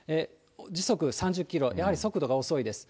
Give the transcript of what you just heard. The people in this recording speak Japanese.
時速３０キロ、やはり速度が遅いです。